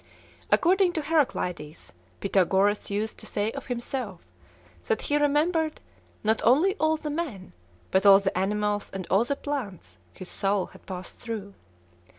According to Heraclides, Pythagoras used to say of himself, that he remembered "not only all the men, but all the animals and all the plants, his soul had passed through."